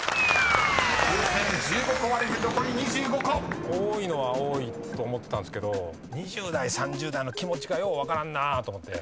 ［風船１５個割れて残り２５個］多いのは多いと思ってたんですけど２０代３０代の気持ちがよう分からんなと思って。